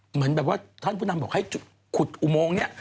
เหมือนแบบว่าท่านผู้นำบอกให้ขุดอุโมงนี้